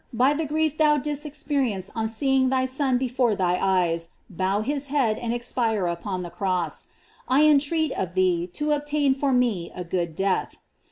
537 by the grief thou didst experience on seeing thy Son before thy eyes bow his head and expire upon the cross, I entreat of thee to obtain for ine a good death.